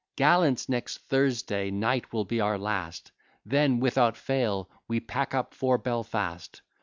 Gallants, next Thursday night will be our last: Then without fail we pack up for Belfast.